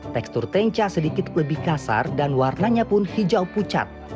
tekstur tenca sedikit lebih kasar dan warnanya pun hijau pucat